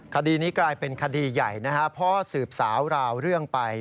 คดีนี้กลายเป็นคดีใหญ่นะครับเพราะสืบสาวราวเรื่องไป